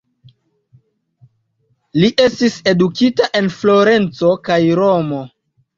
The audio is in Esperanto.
Li estis edukita en Florenco kaj Romo.